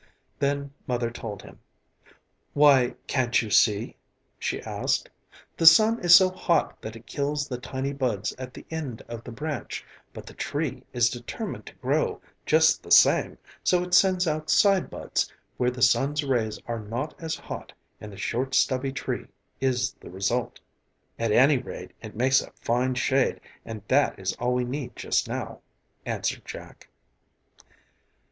Then Mother told him. "Why, can't you see?" she asked. "The sun is so hot that it kills the tiny buds on the end of the branch; but the tree is determined to grow, just the same, so it sends out side buds, where the sun's rays are not as hot and the short, stubby tree is the result." "At any rate it makes a fine shade and that is all we need just now," answered Jack.